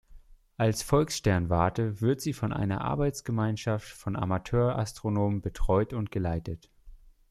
Als Volkssternwarte wird sie von einer Arbeitsgemeinschaft von Amateurastronomen betreut und geleitet.